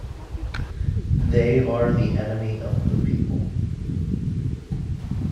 They are the enemy of the people.